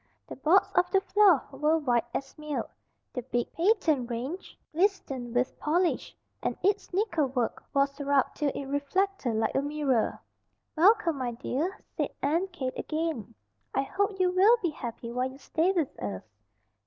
The boards of the floor were white as milk. The big, patent range glistened with polish, and its nickel work was rubbed till it reflected like a mirror. "Welcome, my dear!" said Aunt Kate again. "I hope you will be happy while you stay with us."